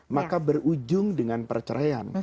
maka berujung dengan perceraian